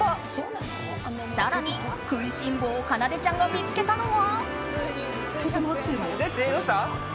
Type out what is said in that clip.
更に、食いしん坊かなでちゃんが見つけたのは。